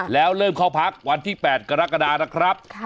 แล้วเริ่มเข้าพักวันที่๘กรกฎานะครับ